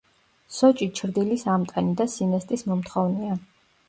სოჭი ჩრდილის ამტანი და სინესტის მომთხოვნია.